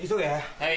はい。